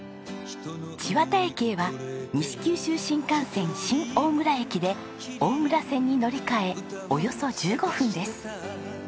千綿駅へは西九州新幹線新大村駅で大村線に乗り換えおよそ１５分です。